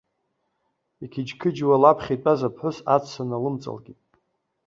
Иқьыџьқыџьуа лаԥхьа итәаз аԥҳәыс аҵәца налымҵалкит.